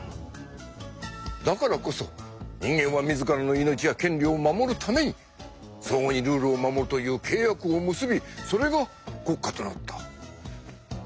だからこそ人間は自らの命や権利を守るために相互にルールを守るという契約を結びそれが国家となった。